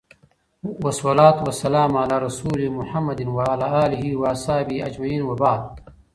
والصلوة والسلام على رسوله محمد وعلى اله واصحابه اجمعين وبعد